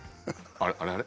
あれあれ？